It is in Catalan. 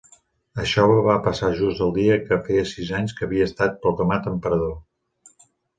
Això va passar just el dia que feia sis anys que havia estat proclamat emperador.